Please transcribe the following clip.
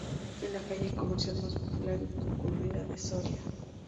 Es la calle comercial más popular y concurrida de Soria.